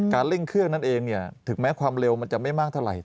เร่งเครื่องนั่นเองถึงแม้ความเร็วมันจะไม่มากเท่าไหร